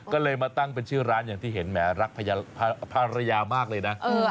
ก็เลยมาตั้งเป็นชื่อร้านอย่างที่เห็นแหมรักภรรยามากเลยนะ